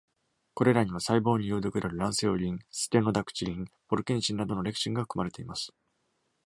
これらには、細胞に有毒であるランセオリン、ステノダクチリン、ボルケンシンなどのレクチンが含まれています。